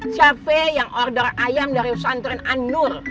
siapa yang order ayam dari santurin anur